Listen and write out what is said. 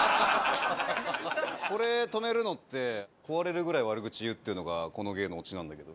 これ止めるのって壊れるぐらい悪口言うっていうのがこの芸のオチなんだけど。